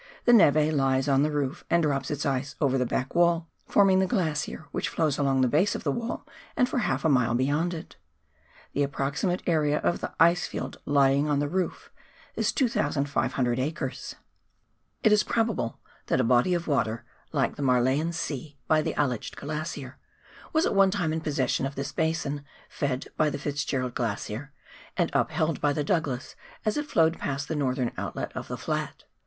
; the neve lies on the roof and drops its ice over the back wall, forming the glacier which flows along the base of the wall and for half a mile beyond it. The approximate area of the ice field lying on the roof is 2,500 acres. It is probable that a body of water, like the Marjelen See by the Aletsch Glacier, was at one time in possession of this basin, fed by the FitzGerald Glacier, and upheld by the Douglas as it flowed past the northern outlet of the flat.